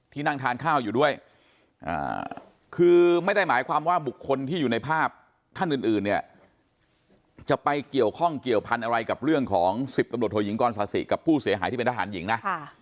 นั่งทานข้าวอยู่ด้วยคือไม่ได้หมายความว่าบุคคลที่อยู่ในภาพท่านอื่นเนี่ยจะไปเกี่ยวข้องเกี่ยวพันธุ์อะไรกับเรื่องของ๑๐ตำรวจโทยิงกรศาสิกับผู้เสียหายที่เป็นทหารหญิงนะ